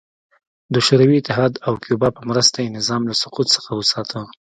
د شوروي اتحاد او کیوبا په مرسته یې نظام له سقوط څخه وساته.